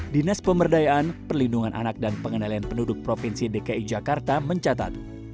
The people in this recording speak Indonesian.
dinas pemberdayaan perlindungan anak dan pengendalian penduduk provinsi dki jakarta mencatat